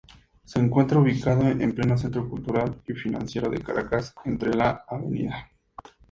Se encuentra ubicado en pleno Centro cultural y financiero de Caracas, entre la Av.